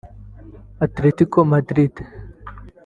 Atletico Madrid